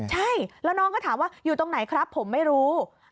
ใช่แล้วน้องก็ถามว่าอยู่ตรงไหนครับผมไม่รู้